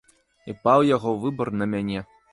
І паў яго выбар на мяне.